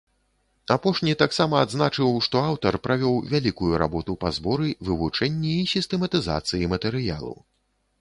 Апошні таксама адзначыў, што аўтар правёў вялікую работу па зборы, вывучэнні і сістэматызацыі матэрыялу.